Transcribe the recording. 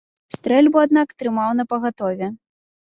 Стрэльбу, аднак, трымаў напагатове.